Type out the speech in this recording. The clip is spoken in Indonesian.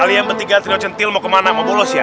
kalian bertiga tinggal centil mau kemana mau bolos ya